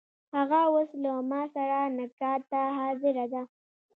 هغه اوس له ماسره نکاح ته حاضره ده.